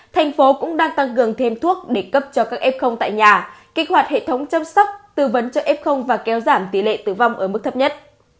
thành phố cũng đang tăng cường thêm thuốc để cấp cho các ép không tại nhà kích hoạt hệ thống chăm sóc tư vấn cho ép không và kéo giảm tỷ lệ tử vong ở mức thấp nhất